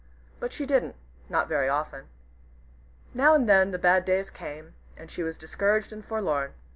But she didn't not very often. Now and then bad days came, when she was discouraged and forlorn.